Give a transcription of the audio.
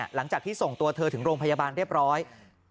หลังจากที่ส่งตัวเธอถึงโรงพยาบาลเรียบร้อย